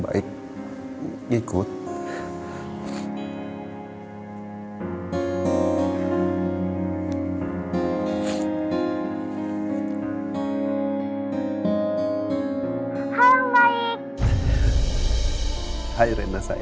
berpikir pada masa ini